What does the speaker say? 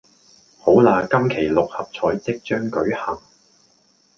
好喇今期六合彩即將舉行